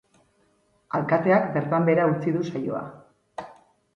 Alkateak bertan behera utzi du saioa.